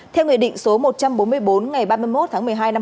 theo nguyện định số một trăm bốn mươi bốn ngày ba mươi một tháng một mươi hai